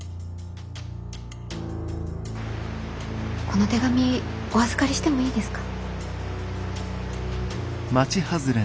この手紙お預かりしてもいいですか？